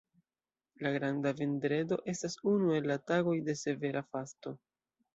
La Granda vendredo estas unu el tagoj de severa fasto.